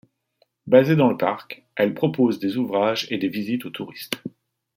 Basée dans le parc, elle propose des ouvrages et des visites aux touristes.